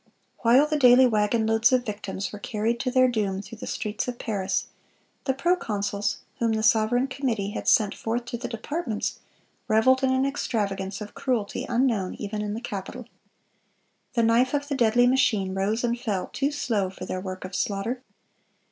While the daily wagon loads of victims were carried to their doom through the streets of Paris, the proconsuls, whom the sovereign committee had sent forth to the departments, reveled in an extravagance of cruelty unknown even in the capital. The knife of the deadly machine rose and fell too slow for their work of slaughter.